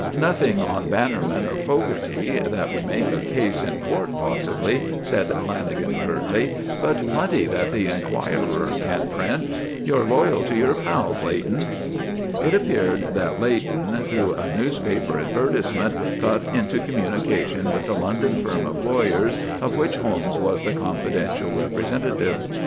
"Nothing on Bannerman or Fogarty that would make a case in court, possibly," said Lanagan, curtly, "but plenty that the Enquirer can print. You're loyal to your pals, Leighton." It appeared that Leighton, through a newspaper advertisement, got into communication with the London firm of lawyers of which Holmes was the confidential representative.